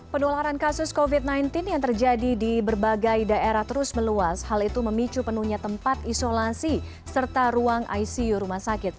penularan kasus covid sembilan belas yang terjadi di berbagai daerah terus meluas hal itu memicu penuhnya tempat isolasi serta ruang icu rumah sakit